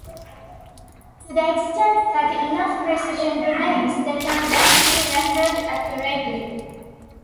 To the extent that enough precision remains, they can then be rendered accurately.